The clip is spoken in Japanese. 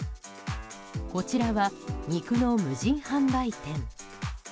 こちらは肉の無人販売店。